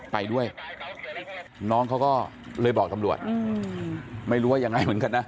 ไปด้วยน้องเขาก็เลยบอกตำรวจไม่รู้ว่ายังไงเหมือนกันนะ